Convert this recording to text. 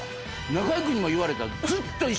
中居君にも言われた。